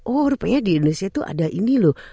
oh rupanya di indonesia itu ada ini loh